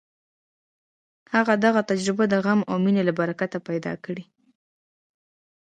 هغه دغه تجربه د غم او مینې له برکته پیدا کړه